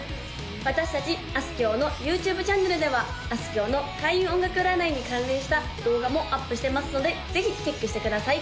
私達あすきょうのＹｏｕＴｕｂｅチャンネルではあすきょうの開運音楽占いに関連した動画もアップしてますのでぜひチェックしてください